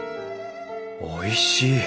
おいしい。